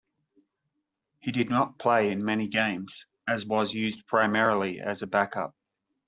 He did not play in many games, as was used primarily as a backup.